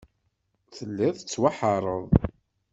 Telliḍ tettwaḥeṛṛeḍ.